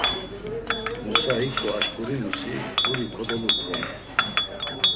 Musa hiǩu aşǩurinusi guri kodoluǩrotu.